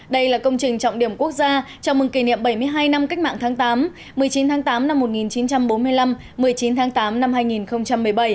đây là công trình trọng điểm quốc gia chào mừng kỷ niệm bảy mươi hai năm cách mạng tháng tám một mươi chín tháng tám năm một nghìn chín trăm bốn mươi năm một mươi chín tháng tám năm hai nghìn một mươi bảy